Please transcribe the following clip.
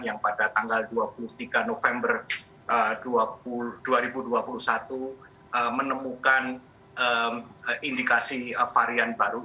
yang pada tanggal dua puluh tiga november dua ribu dua puluh satu menemukan indikasi varian baru